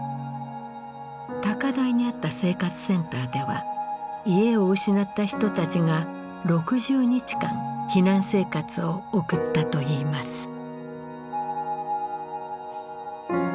高台にあった生活センターでは家を失った人たちが６０日間避難生活を送ったといいます。